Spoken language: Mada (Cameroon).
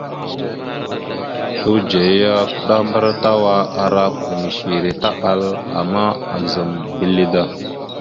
Sludze ya kuɗambar tawa ara kəɗaməsara taɓal, ama aazam mbile da.